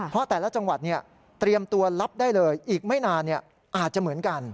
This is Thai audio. เพราะแต่ละจังหวัดเตรียมตัวรับได้เลยอีกไม่นานอาจจะเหมือนกัน